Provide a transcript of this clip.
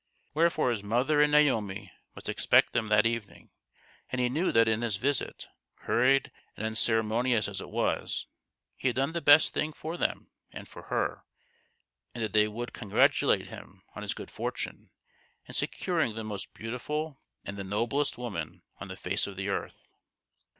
Wherefore his mother and Naomi must expect them that evening; and he knew that in this visit, hurried and unceremonious as it was, he had done the best thing for them and for her, and that they would congratulate him on his good fortune in securing the most beautiful and the noblest woman on the face of the earth.